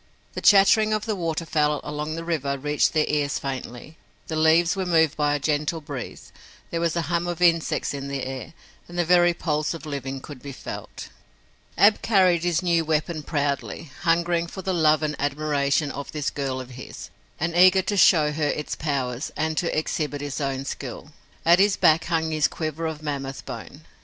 The chattering of the waterfowl along the river reached their ears faintly, the leaves were moved by a gentle breeze, there was a hum of insects in the air and the very pulse of living could be felt. Ab carried his new weapon proudly, hungering for the love and admiration of this girl of his, and eager to show her its powers and to exhibit his own skill. At his back hung his quiver of mammoth bone.